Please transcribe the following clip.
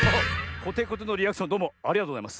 コテコテのリアクションどうもありがとうございます。